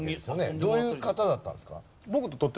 どういう方だったんですか？